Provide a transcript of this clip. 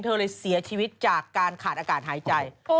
เธอเลยเสียชีวิตจากการขาดอากาศหายใจ